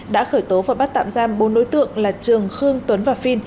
đã khởi tố và bắt tạm giam bốn đối tượng là trường khương tuấn và phiên